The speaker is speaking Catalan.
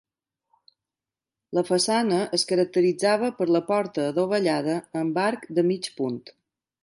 La façana es caracteritzava per la porta adovellada amb arc de mig punt.